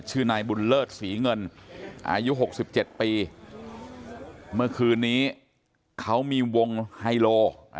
นายบุญเลิศศรีเงินอายุ๖๗ปีเมื่อคืนนี้เขามีวงไฮโล